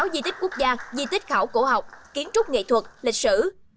năm mươi sáu di tích quốc gia di tích khảo cổ học kiến trúc nghệ thuật lịch sử